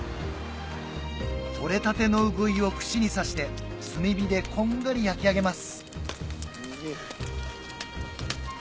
とれたてのウグイを串に刺して炭火でこんがり焼き上げます